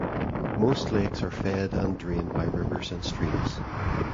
Most lakes are fed and drained by rivers and streams.